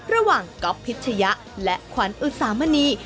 ระหว่างก๊อบพิษยะและควันอุตสามณี